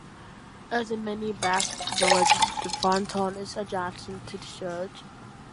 As in many Basque villages, the fronton is adjacent to the church.